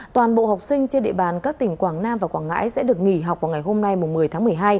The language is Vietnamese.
toàn bộ học sinh trên địa bàn các tỉnh quảng nam và quảng ngãi sẽ được nghỉ học vào ngày hôm nay một mươi tháng một mươi hai